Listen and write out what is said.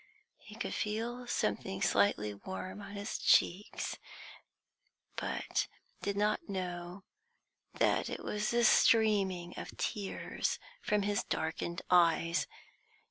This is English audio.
He could feel something slightly warm on his cheeks, but did not know that it was the streaming of tears from his darkened eyes.